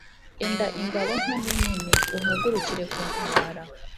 Enda ingabo nto n’inini, uhagurukire kuntabara